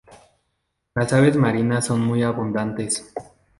Las aves marinas son muy abundantes.